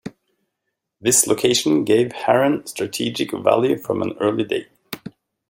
This location gave Harran strategic value from an early date.